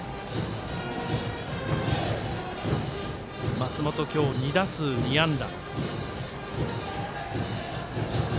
松本、今日２打数２安打。